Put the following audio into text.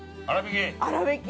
◆粗びき。